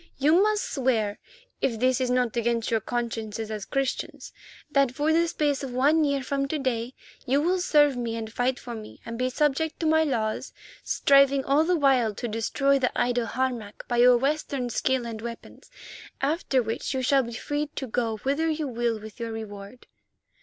You must swear—if this is not against your consciences as Christians—that for the space of one year from to day you will serve me and fight for me and be subject to my laws, striving all the while to destroy the idol Harmac by your Western skill and weapons, after which you shall be free to go whither you will with your reward."